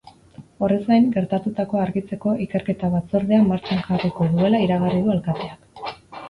Horrez gain, gertatutakoa argitzeko ikerketa batzordea martxan jarriko duela iragarri du alkateak.